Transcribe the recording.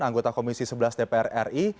anggota komisi sebelas dpr ri